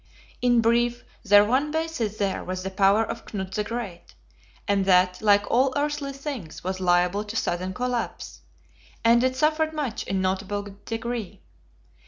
In brief their one basis there was the power of Knut the Great; and that, like all earthly things, was liable to sudden collapse, and it suffered such in a notable degree.